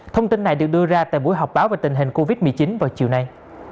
thông tin này được đưa ra tại buổi họp báo về tình hình covid một mươi chín vào chiều nay